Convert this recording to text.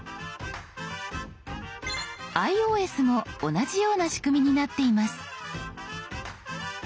ｉＯＳも同じような仕組みになっています。